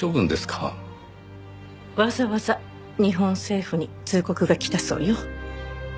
わざわざ日本政府に通告が来たそうよ。